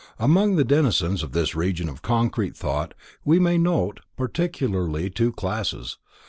Among the denizens of this Region of concrete Thought we may note particularly two classes.